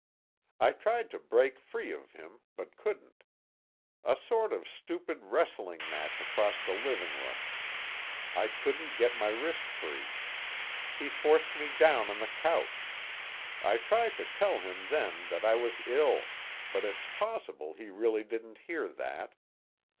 I tried to break free of him, but couldn't. A sort of stupid wrestling match across the living room. I couldn't get my wrist free. He forced me down on the couch. I tried to tell him then that I was ill, but it's possible he really didn't hear that.